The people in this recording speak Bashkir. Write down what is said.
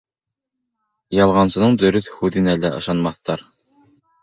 Ялғансының дөрөҫ һүҙенә лә ышанмаҫтар.